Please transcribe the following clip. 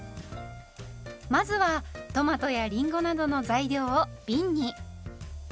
まずはトマトやりんごなどの材料をびんに。